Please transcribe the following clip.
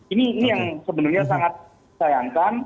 ini yang sebenarnya sangat sayangkan